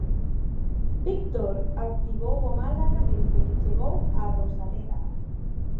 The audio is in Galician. Víctor activou o Málaga desde que chegou á Rosaleda.